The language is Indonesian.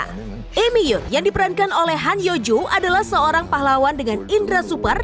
lee mi yoon yang diperankan oleh han yo joo adalah seorang pahlawan dengan indera super